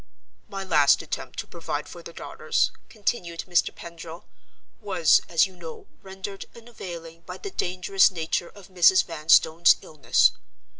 "My last attempt to provide for the daughters," continued Mr. Pendril, "was, as you know, rendered unavailing by the dangerous nature of Mrs. Vanstone's illness.